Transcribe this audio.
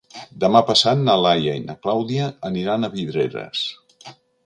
Demà passat na Laia i na Clàudia aniran a Vidreres.